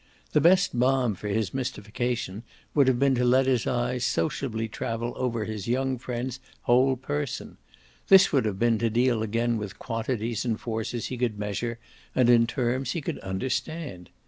The best balm for his mystification would have been to let his eyes sociably travel over his young friend's whole person; this would have been to deal again with quantities and forces he could measure and in terms he could understand.